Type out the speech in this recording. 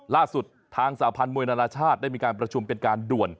ล่าสุดทางสาพันธ์มวยนานาชาติได้มีการประชุมเป็นการด่วน